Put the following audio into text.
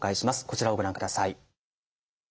こちらをご覧ください。